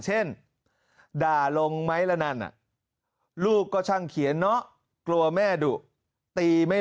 ด่าลงไหมละนั่นลูกก็ช่างเขียนเนาะกลัวแม่ดุตีไม่